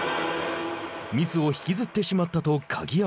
ミスを引きずってしまったと鍵山。